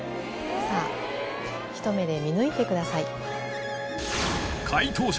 さぁひと目で見抜いてください。